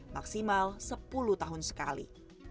maksimal sepuluh tahun sekali